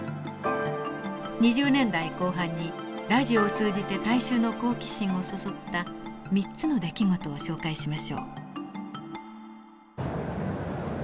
２０年代後半にラジオを通じて大衆の好奇心をそそった３つの出来事を紹介しましょう。